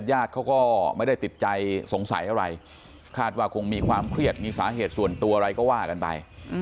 ญาติเขาก็ไม่ได้ติดใจสงสัยอะไรคาดว่าคงมีความเครียดมีสาเหตุส่วนตัวอะไรก็ว่ากันไป